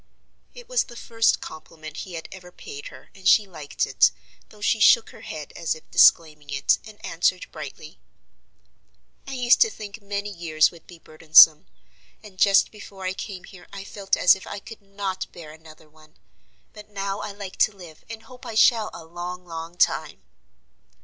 It was the first compliment he had ever paid her, and she liked it, though she shook her head as if disclaiming it, and answered brightly: "I used to think many years would be burdensome, and just before I came here I felt as if I could not bear another one. But now I like to live, and hope I shall a long, long time."